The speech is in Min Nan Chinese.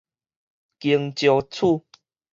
弓蕉鼠